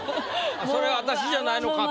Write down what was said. それ私じゃないのか？と。